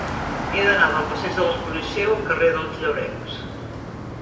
He d'anar del passeig de l'Exposició al carrer dels Llebrencs.